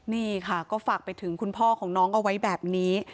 นี่ค่ะก็ฝากไปถึงคุณพ่อของน้องเอาไว้แบบนี้